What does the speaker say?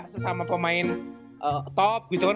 sesama pemain top gitu kan